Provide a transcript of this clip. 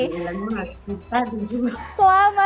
ilam mas putar juga